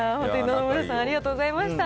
野々村さんありがとうございました。